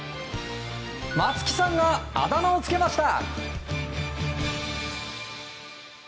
松木さんがあだ名をつけました。